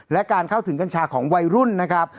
และการเข้าถึงกัญชาของวัยรุ่นนะครับ